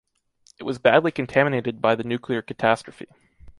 It was badly contaminated by the nuclear catastrophe.